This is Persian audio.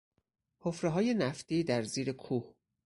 حفرههای نفتی در زیر کوه